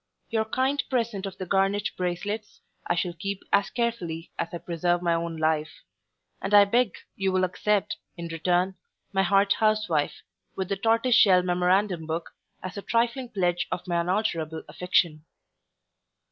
Your kind present of the garnet bracelets, I shall keep as carefully as I preserve my own life; and I beg you will accept, in return, my heart housewife, with the tortoise shell memorandum book, as a trifling pledge of my unalterable affection.